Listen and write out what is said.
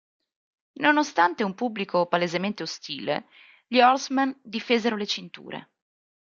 Nonostante un pubblico palesemente ostile, gli Horsemen difesero le cinture.